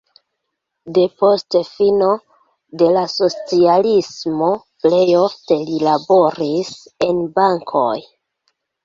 Depost fino de la socialismo plej ofte li laboris en bankoj.